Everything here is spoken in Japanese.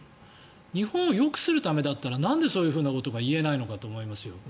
日本をよくするためだったらなんでそういうことが言えないんだと思いますよ。